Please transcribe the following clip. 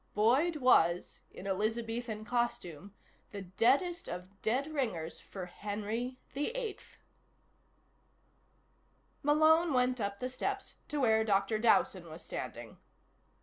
Boyd was, in Elizabethan costume, the deadest of dead ringers for Henry VIII. Malone went up the steps to where Dr. Dowson was standing.